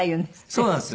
そうなんです。